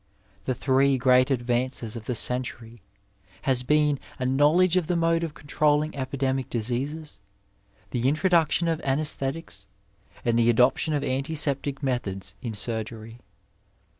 The three great advances of the century has been a know ledge of the mode of controlling epidemic diseases, the intro duction of anffisthetics, and the adoption of antiseptic methods in surgery.